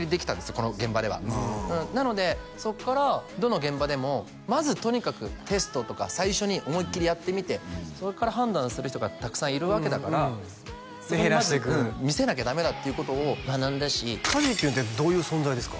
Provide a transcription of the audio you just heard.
この現場ではなのでそこからどの現場でもまずとにかくテストとか最初に思いっきりやってみてそれから判断する人がたくさんいるわけだからそこをまず見せなきゃダメだっていうことを学んだし梶きゅんってどういう存在ですか？